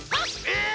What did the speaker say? え！